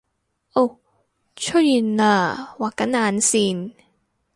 噢出現喇畫緊眼線！